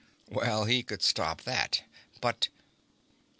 Well, he could stop that. But